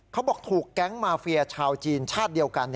เขาบอกถูกแก๊งมาเฟียชาวจีนชาติเดียวกัน